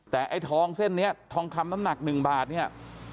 แต่ไอ้ทองเส้นนี้ทองคำน้ำหนัก๑บาทเนี่ย